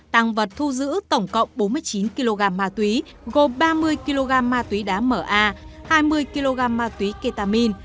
tăng vật thu giữ tổng cộng bốn mươi chín kg ma túy gồm ba mươi kg ma túy đá ma hai mươi kg ma túy ketamin